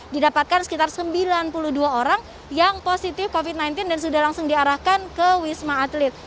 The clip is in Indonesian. didapatkan sekitar sembilan puluh dua orang yang positif covid sembilan belas dan sudah langsung diarahkan ke wisma atlet